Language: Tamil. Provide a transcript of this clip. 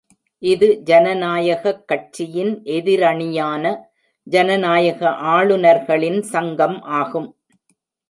இது ஜனநாயகக் கட்சியின் எதிரணியான ஜனநாயக ஆளுநர்களின் சங்கம் ஆகும்.